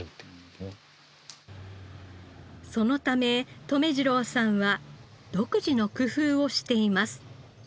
そのため留次郎さんは独自の工夫をしています。